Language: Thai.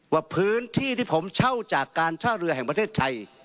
ว่าพื้นที่ที่ผมเช่าจากการท่าเรือแห่งประเทศไทย